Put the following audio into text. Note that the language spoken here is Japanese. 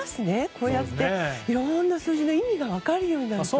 こうやって、いろんな数字の意味が分かるようになると。